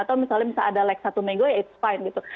atau misalnya ada lag satu mega ya it's fine gitu